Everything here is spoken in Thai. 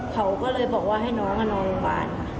เขาก็เลยบอกว่าให้น้องมานอนโรงพยาบาลค่ะ